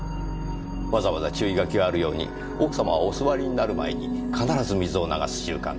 わざわざ注意書きがあるように奥様はお座りになる前に必ず水を流す習慣があった。